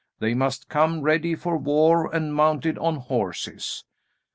They must come ready for war and mounted on horses.